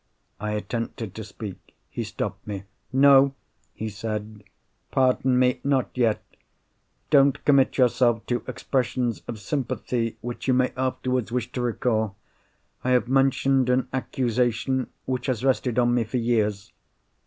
I attempted to speak. He stopped me. "No," he said. "Pardon me; not yet. Don't commit yourself to expressions of sympathy which you may afterwards wish to recall. I have mentioned an accusation which has rested on me for years.